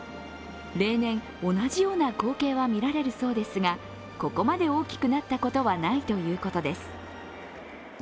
例年同じような光景は見られるそうですが、ここまで大きくなったことはないということです。